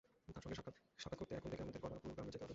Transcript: তাঁর সঙ্গে সাক্ষাৎ করতে এখন থেকে আমাদের করাপুর গ্রামে যেতে হবে।